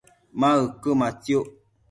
ma uquëmatsiuc?